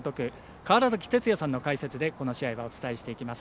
川原崎哲也さんの解説でこの試合はお伝えしていきます。